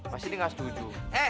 pasti dia gak setuju